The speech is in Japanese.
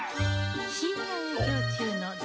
深夜営業中の銭